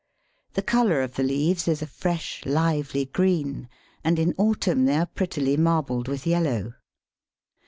The colour of the leaves is a fresh, lively green, and in autumn they are prettily marbled with yellow.